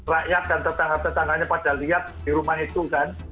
rakyat dan tetangga tetangganya pada lihat di rumah itu kan